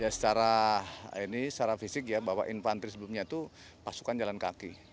secara fisik ya bahwa infanteri sebelumnya itu pasukan jalan kaki